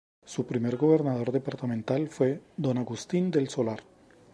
Su primer gobernador departamental fue don Agustín del Solar.